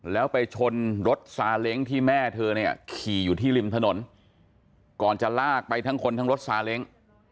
แล้วไปชนรถซาเล้งที่แม่เธอเนี่ยขี่อยู่ที่ริมถนนก่อนจะลากไปทั้งคนทั้งรถซาเล้ง